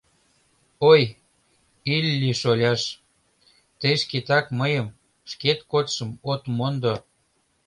— Ой, Илли-шоляш, тый шкетак мыйым, шкет кодшым, от мондо!